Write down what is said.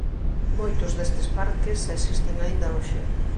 Moitos destes parques existen aínda hoxe.